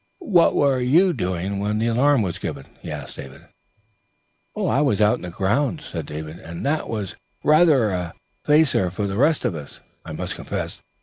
'What were you doing when the alarm was given?' he asked David. 'I was out in the grounds,' said David, and that was rather a facer for the rest of us, I must confess.